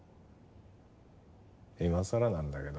今さらなんだけど。